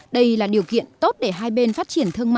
đây là điều kiện tốt để hai bên phát triển